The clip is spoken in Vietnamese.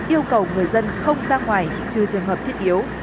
yêu cầu người dân không ra ngoài trừ trường hợp thiết yếu